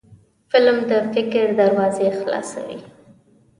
فلم د فکر دروازې خلاصوي